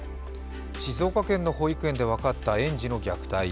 静岡県の保育園で分かった園児の虐待。